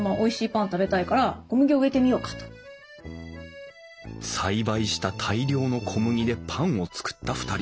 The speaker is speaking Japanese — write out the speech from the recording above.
でじゃあまあ栽培した大量の小麦でパンを作った２人。